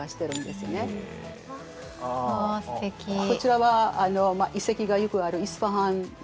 こちらは遺跡がよくあるイスパハン。